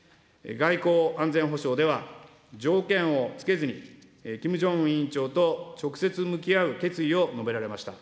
外交・安全保障では、条件を付けずに、キム・ジョンウン委員長と直接向き合う決意を述べられました。